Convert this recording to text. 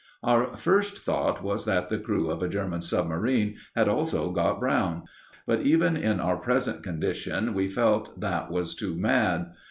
Our first thought was that the crew of a German submarine had also got Brown; but even in our present condition we felt that was too mad.